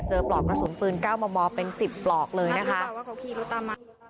ปลอกกระสุนปืนเก้ามอมอเป็นสิบปลอกเลยนะคะ